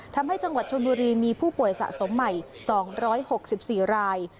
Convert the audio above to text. ทำให้จังหวัดชนบุรีมีผู้ป่วยสะสมใหม่๒๖๔ราย